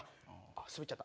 スベっちゃった。